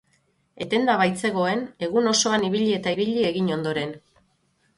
Etenda baitzegoen, egun osoan ibili eta ibili egin ondoren.